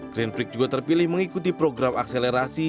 grant briggs juga terpilih mengikuti program akselerasi